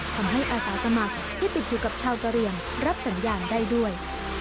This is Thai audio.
อาสาสมัครที่ติดอยู่กับชาวกะเรียงรับสัญญาณได้ด้วย